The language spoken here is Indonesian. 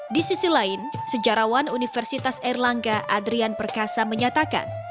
di sisi lain sejarawan universitas erlangga adrian perkasa menyatakan